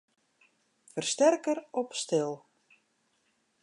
Fersterker op stil.